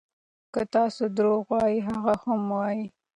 که تاسو درواغ ووایئ هغه هم وایي.